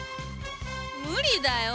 無理だよ！